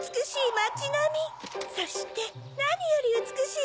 まちなみそしてなによりうつくしい